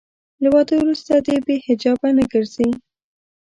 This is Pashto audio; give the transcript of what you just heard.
له واده وروسته دې بې حجابه نه ګرځي.